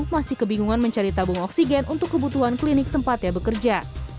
masih kebingungan mencari tabung oksigen untuk kebutuhan klinik tempatnya bekerja